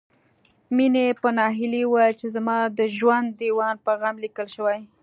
مينې په ناهيلۍ وويل چې زما د ژوند ديوان په غم ليکل شوی